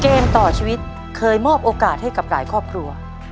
เกมต่อชีวิตเคยมอบโอกาสให้กับหลายครอบครัว